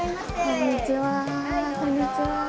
こんにちは。